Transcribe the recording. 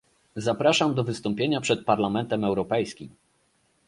Zapraszam do wystąpienia przed Parlamentem Europejskim